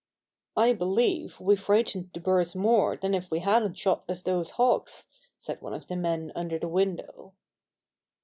"I believe we frightened the birds more than if we hadn't shot at those hawks," said one of the men under the window.